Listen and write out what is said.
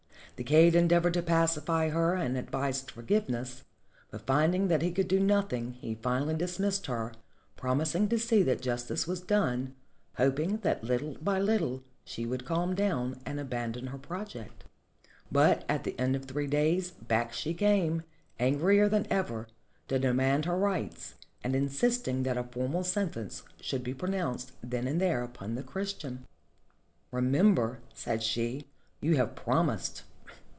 The kaid endeav ored to pacify her and advised forgiveness, but finding that he could do nothing he finally dismissed her, prom ismg to see that justice was done, hoping that little by little she would calm down and abandon her project. But at the end of three days back she came, angrier than ever, to demand her rights, and insisting that a formal sentence should be pronounced then and there upon the Christian. "Remember," said she, "you have prom ised."